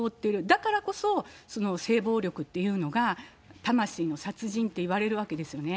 だからこそ、その性暴力っていうのが魂の殺人って言われるわけですよね。